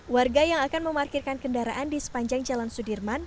warga yang akan memarkirkan kendaraan di sepanjang jalan sudirman